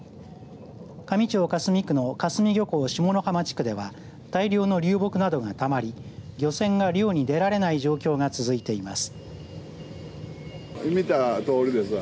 香美町香住区の香住漁港下浜地区では大量の流木などがたまり漁船が漁に出られない状況が続いています。